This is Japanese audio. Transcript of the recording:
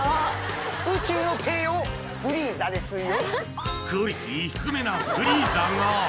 宇宙の帝王フリーザですよ